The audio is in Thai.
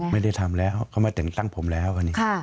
ไม่ได้ทำแล้วเขามาแต่งตั้งผมแล้ว